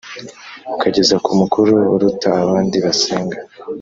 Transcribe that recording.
ukageza ku mukuru uruta abandi basenga